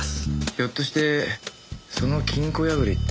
ひょっとしてその金庫破りって？